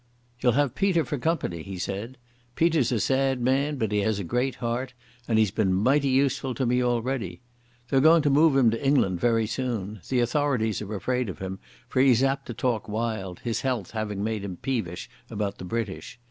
"You'll have Peter for company," he said. "Peter's a sad man, but he has a great heart, and he's been mighty useful to me already. They're going to move him to England very soon. The authorities are afraid of him, for he's apt to talk wild, his health having made him peevish about the British.